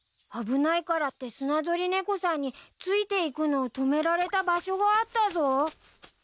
危ないからってスナドリネコさんについていくのを止められた場所があったぞ。